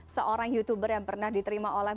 seorang youtuber yang pernah diterima oleh